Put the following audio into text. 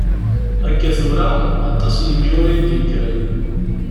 Akka tura, aṭas n yimyura i d-yekkren.